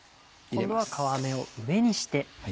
今度は皮目を上にして。